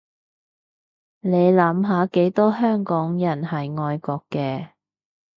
你諗下幾多香港人係愛國嘅